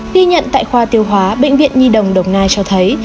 ghi nhận tại khoa tiêu hóa bệnh viện nhi đồng đồng nai cho thấy